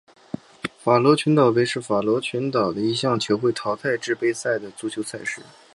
法罗群岛杯是法罗群岛的一项球会淘汰制杯赛的足球赛事。